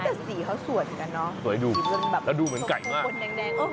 ก็จะสีเขาสวนกันเนอะดูเหมือนไก่มาก